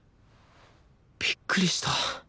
びっくりした。